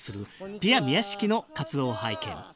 ピア宮敷の活動を拝見